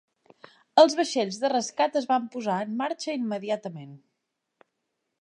Els vaixells de rescat es van posar en marxa immediatament.